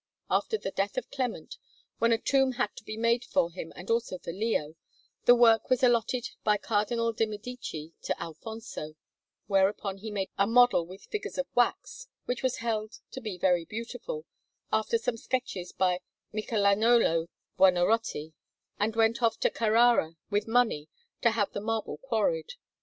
After the death of Clement, when a tomb had to be made for him and also for Leo, the work was allotted by Cardinal de' Medici to Alfonso; whereupon he made a model with figures of wax, which was held to be very beautiful, after some sketches by Michelagnolo Buonarroti, and went off to Carrara with money to have the marble quarried.